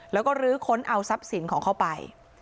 แล้วก็ลื้อค้นเอาทรัพย์สินของเขาไป